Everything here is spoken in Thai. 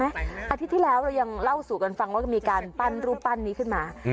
อาทิตย์ที่แล้วเรายังเล่าสู่กันฟังว่ามีการปั้นรูปปั้นนี้ขึ้นมา